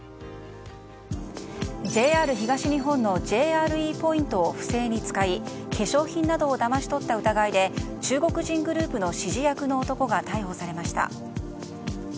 ＪＲ東日本のＪＲＥポイントを不正に使い化粧品などをだまし取った疑いで中国人グループの指示役の男が逮捕されました。